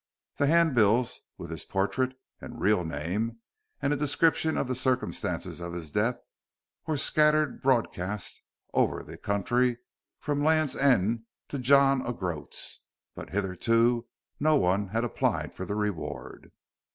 The hand bills with his portrait and real name, and a description of the circumstances of his death, were scattered broadcast over the country from Land's End to John O'Groats, but hitherto no one had applied for the reward.